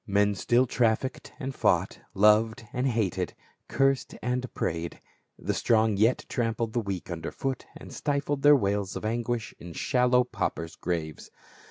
Men still trafficked and fought, loved and hated, cursed and prayed. The strong yet trampled the weak under foot and stifled their wails of anguish in shallow paupers' graves.